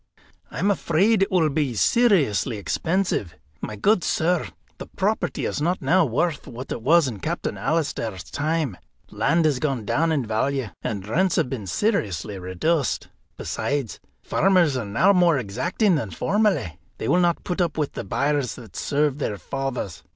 "I am afraid it will be seriously expensive. My good sir, the property is not now worth what it was in Captain Alister's time. Land has gone down in value, and rents have been seriously reduced. Besides, farmers are now more exacting than formerly; they will not put up with the byres that served their fathers.